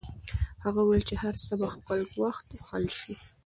هغه وویل چې هر څه به په خپل وخت حل شي.